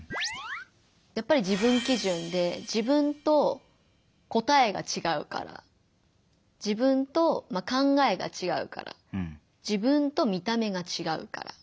やっぱり自分基準で自分と答えがちがうから自分と考えがちがうから自分と見た目がちがうから。